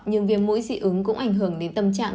nhưng viêm mũi dị ứng cũng ảnh hưởng đến tâm trạng